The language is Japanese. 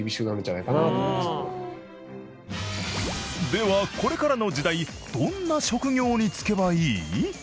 ではこれからの時代どんな職業につけばいい？